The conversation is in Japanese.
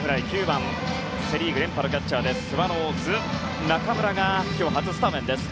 ９番、セ・リーグのキャッチャースワローズ、中村が今日初スタメンです。